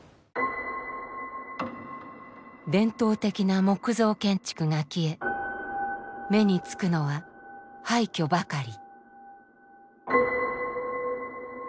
伝統的な木造建築が消え目につくのは廃虚ばかり。